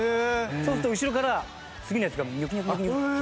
そうすると後ろから次のやつがニョキニョキニョキニョキ。